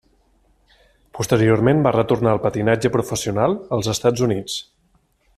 Posteriorment van retornar al patinatge professional als Estats Units.